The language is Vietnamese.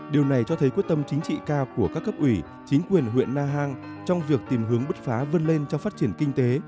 điều này cho thấy quyết tâm chính trị cao của các cấp ủy chính quyền huyện na hàng trong việc tìm hướng bứt phá vươn lên trong phát triển kinh tế